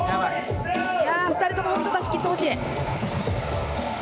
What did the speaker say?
いや２人とも本当出し切ってほしい。